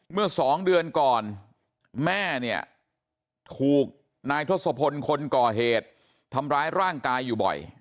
เมื่อ๒เดือนก่อนแม่เนี่ยถูกนายทศพลคนก่อเหตุทำร้ายร่างกายอยู่บ่อย